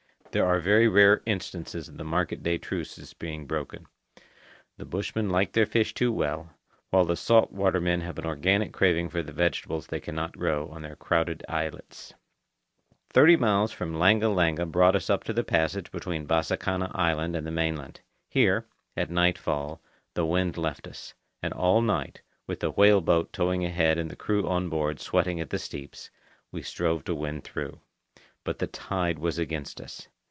There are very rare instances of the market day truces being broken. The bushmen like their fish too well, while the salt water men have an organic craving for the vegetables they cannot grow on their crowded islets. Thirty miles from Langa Langa brought us to the passage between Bassakanna Island and the mainland. Here, at nightfall, the wind left us, and all night, with the whale boat towing ahead and the crew on board sweating at the sweeps, we strove to win through. But the tide was against us.